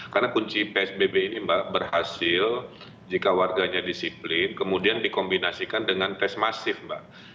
karena kunci psbb ini berhasil jika warganya disiplin kemudian dikombinasikan dengan tes masif mbak